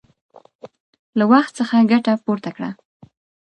له وخت څخه ګټه پورته کړه!